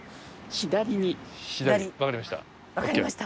左？わかりました。